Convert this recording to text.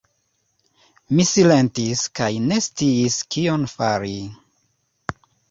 Mi silentis kaj ne sciis kion fari.